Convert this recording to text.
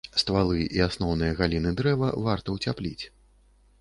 Ствалы і асноўныя галіны дрэваў варта ўцяпліць.